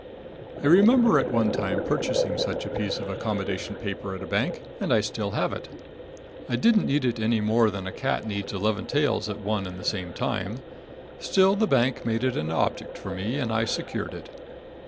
I remember at one time of purchasing such a piece of accommodation paper at a bank, and I still have it. I didn't need it any more than a cat needs eleven tails at one and the same time. Still the bank made it an object for me, and I secured it.